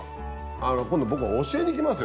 あの今度僕教えに来ますよ。